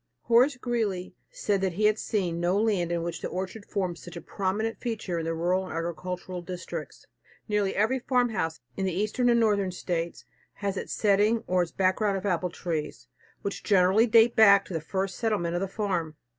Horace Greeley said he had seen no land in which the orchard formed such a prominent feature in the rural and agricultural districts. Nearly every farmhouse in the Eastern and Northern States has its setting or its background of apple trees, which generally date back to the first settlement of the farm.